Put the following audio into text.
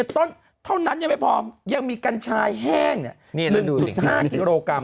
ต้นเท่านั้นยังไม่พอยังมีกัญชายแห้ง๑๕กิโลกรัม